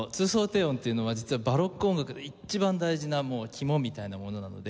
低音というのは実はバロック音楽で一番大事な肝みたいなものなので。